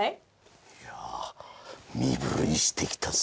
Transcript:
いや身震いしてきたぞ。